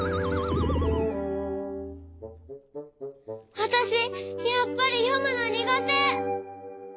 わたしやっぱりよむのにがて。